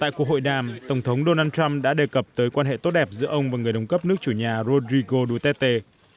tại cuộc hội đàm tổng thống donald trump đã đề cập tới quan hệ tốt đẹp giữa ông và người đồng cấp nước chủ nhà rodrigo duterte